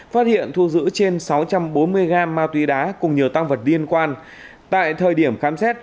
phát hiện thu giữ trên sáu trăm bốn mươi gram ma túy đá cùng nhiều tăng vật liên quan tại thời điểm khám xét